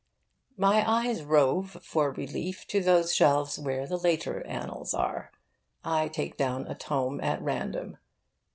My eye roves, for relief, to those shelves where the later annals are. I take down a tome at random.